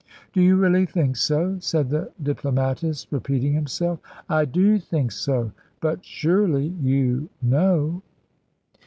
"Do you really think so?" said the diplomatist, repeating himself. "I do think so; but surely you know?"